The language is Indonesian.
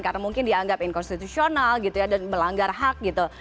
karena mungkin dianggap inkonstitusional gitu ya dan melanggar hak gitu